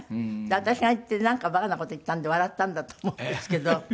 私が行ってなんか馬鹿な事を言ったんで笑ったんだと思うんですけど。